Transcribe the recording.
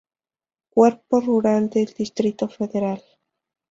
Cuerpo rural del Distrito Federal.